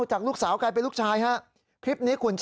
เฮ้ยเฮ้ยเฮ้ยเฮ